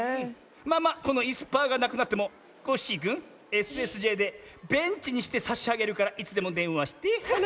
まあまあこのいすパーがなくなってもコッシーくんＳＳＪでベンチにしてさしあげるからいつでもでんわして。